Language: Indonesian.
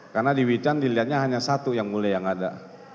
karena di wican dilihatnya hanya satu yang mulia yang ada